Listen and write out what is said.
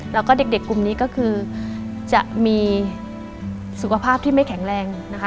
แล้วก็เด็กกลุ่มนี้ก็คือจะมีสุขภาพที่ไม่แข็งแรงนะคะ